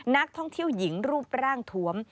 นักท่องเที่ยวหญิงรูปร่างถวม